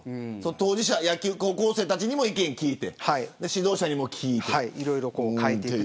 当事者野球高校生たちにも意見を聞いて指導者にも聞いて。